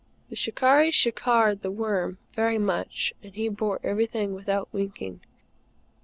The "Shikarris" shikarred The Worm very much, and he bore everything without winking.